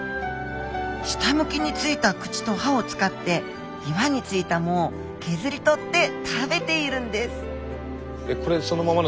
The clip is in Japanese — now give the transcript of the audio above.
下向きについた口と歯を使って岩についた藻を削り取って食べているんです